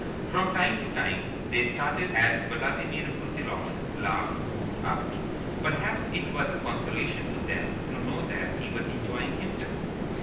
From time to time they started as Vladimir Brusiloff's laugh boomed out. Perhaps it was a consolation to them to know that he was enjoying himself.